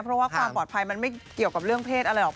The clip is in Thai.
เพราะว่าความปลอดภัยมันไม่เกี่ยวกับเรื่องเพศอะไรหรอก